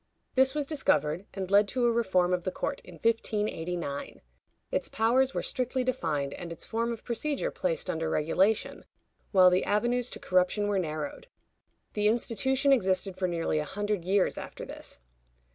This was discovered, and led to a reform of the court in 1589. Its powers were strictly defined, and its form of procedure placed under regulation, while the avenues to corruption were narrowed. The institution existed for nearly a hundred years after this.